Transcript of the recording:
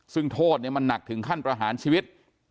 ซึ่งโทษมันหนักถึงขั้นประหารชีวิต